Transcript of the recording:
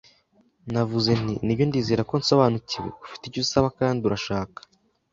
Navuze nti: “Nibyo, ndizera ko nsobanukiwe. Ufite icyo usaba, kandi urashaka